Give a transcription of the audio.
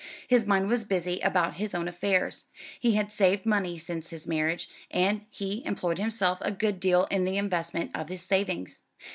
His mind was busy about his own affairs. He had saved money since his marriage, and he employed himself a good deal in the investment of his savings.